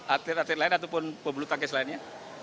atlet atlet lain ataupun pebulu tangkis lainnya